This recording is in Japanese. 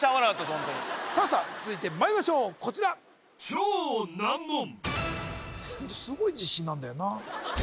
ホントにさあさあ続いてまいりましょうこちらすごい自信なんだよな